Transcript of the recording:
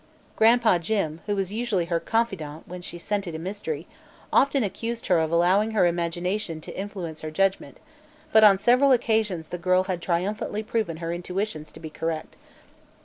Gran'pa Jim, who was usually her confidant when she "scented a mystery," often accused her of allowing her imagination to influence her judgment, but on several occasions the girl had triumphantly proven her intuitions to be correct.